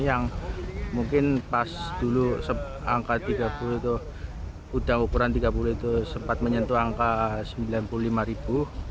yang mungkin pas dulu angka tiga puluh itu udang ukuran tiga puluh itu sempat menyentuh angka sembilan puluh lima ribu